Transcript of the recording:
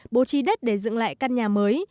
bố trí đất để dựng lại căn nhà mới